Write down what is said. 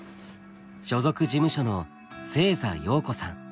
所属事務所の星座庸子さん。